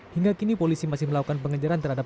hingga kini polisi masih melakukan pengejaran terhadap